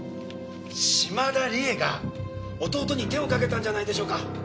嶋田理恵が弟に手をかけたんじゃないでしょうか。